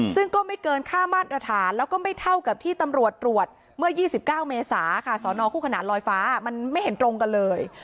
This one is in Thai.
ซึ่งก็ไม่เกินค่ามาตรฐานแล้วก็ไม่เท่ากับที่ตำรวจตรวจเมื่อ๒๙เมษาค่ะสอนอคู่ขนาดลอยฟ้ามันไม่เห็นตรงกันเลย